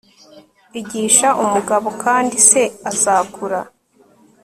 igisha umugabo, kandi se azakura